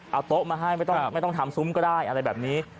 เอาโต๊ะมาให้ไม่ต้องทำซุ้มก็ได้อะไรแบบนี้